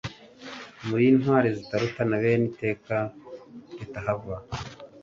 Muri intwari zitarutana, bene iteka ritahava,